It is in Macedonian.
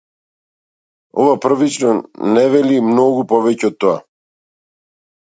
Ова првично не вели многу повеќе од тоа.